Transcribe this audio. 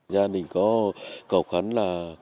gia đình có cầu khắn là